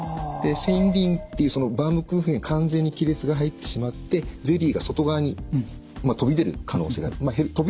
線維輪っていうそのバームクーヘンに完全に亀裂が入ってしまってゼリーが外側に飛び出る可能性がある。